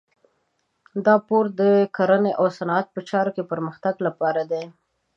دا پور د کرنې او صنعت په چارو کې پرمختګ لپاره دی.